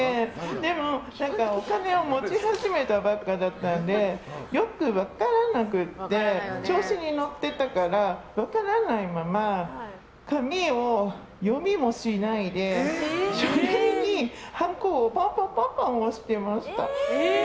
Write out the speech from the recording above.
でも、お金を持ち始めたばっかだったのでよく分からなくて調子に乗ってたから分からないまま紙を読みもしないで書類にハンコをポンポン押してました。